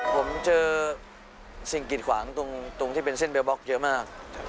ผมเจอสิ่งกิดขวางตรงที่เป็นเส้นเบลบล็อกเยอะมาก